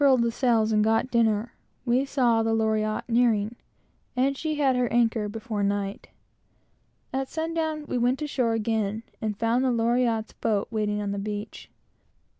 After we had furled the sails and got dinner, we saw the Loriotte nearing, and she had her anchor before night. At sun down we went ashore again, and found the Loriotte's boat waiting on the beach.